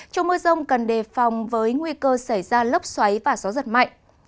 trong mưa rông cần đề phòng với nguy cơ xảy ra lốc xoáy và gió giật mạnh